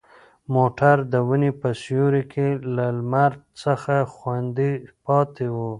موټر د ونې په سیوري کې له لمر څخه خوندي پاتې و.